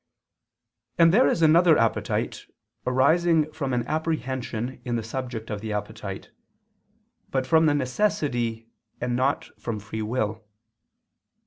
And there is another appetite arising from an apprehension in the subject of the appetite, but from necessity and not from free will.